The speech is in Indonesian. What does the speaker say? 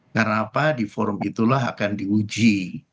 karena apa di forum itulah akan diuji